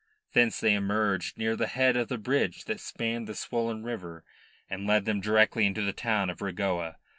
Thence they emerged near the head of the bridge that spanned the swollen river and led them directly into the town of Regoa.